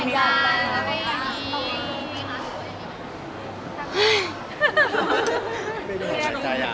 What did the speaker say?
คือบอกเลยว่าเป็นครั้งแรกในชีวิตจิ๊บนะ